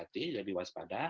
hati hati lebih waspada